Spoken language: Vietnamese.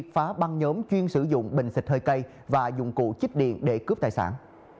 phá băng nhóm chuyên sử dụng bình xịt hơi cây và dụng cụ chích điện để cướp tài sản